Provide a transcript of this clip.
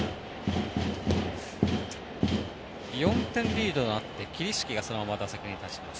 ４点リードがあって桐敷がそのまま打席に入ります。